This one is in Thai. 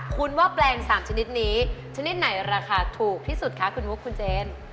คุณว่าแปลง๓ชนิดนี้ชนิดไหนราคาถูกที่สุดคะคุณมุกคุณเจน